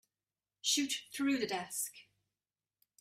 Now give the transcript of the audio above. Shoot through the desk.